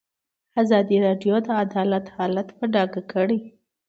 ازادي راډیو د عدالت حالت په ډاګه کړی.